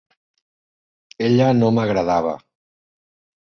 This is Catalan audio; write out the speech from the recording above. Ella no m'agradava.